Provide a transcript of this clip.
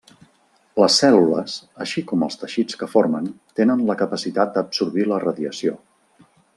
Les cèl·lules, així com els teixits que formen, tenen la capacitat d’absorbir la radiació.